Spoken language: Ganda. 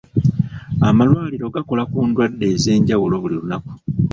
Amalwaliro gakola ku ndwadde ez'enjawulo buli lunaku.